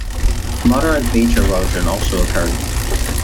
Moderate beach erosion also occurred.